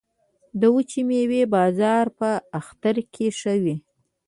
د وچې میوې بازار په اختر کې ښه وي